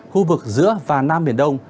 khu vực giữa và nam biển đông